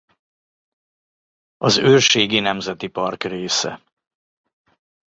Az Őrségi Nemzeti Park része.